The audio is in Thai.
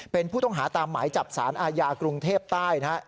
เป็นผู้ต้องหาตามหมายจับสารอาญากรุงเทพใต้นะฮะ